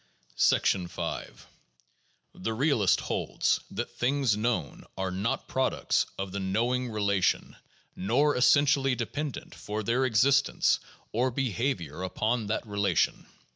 V The realist holds that things known are not products of the knowing relation nor essentially dependent for their existence or be havior upon that relation.